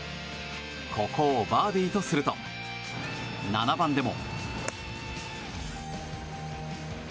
ここをバーディーとすると７番でも。